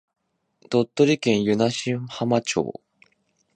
鳥取県湯梨浜町